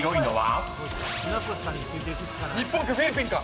日本かフィリピンか。